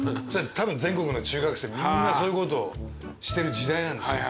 たぶん全国の中学生みんなそういうことをしてる時代なんですよ。